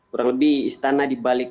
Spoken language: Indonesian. kurang lebih istana dibalik